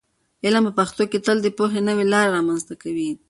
علم په پښتو تل د پوهې نوې لارې رامنځته کوي.